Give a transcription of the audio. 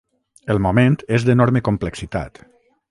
El moment és d’enorme complexitat.